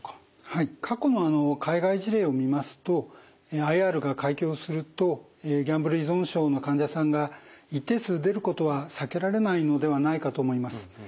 はい過去の海外事例を見ますとＩＲが開業するとギャンブル依存症の患者さんが一定数出ることは避けられないのではないかと思います。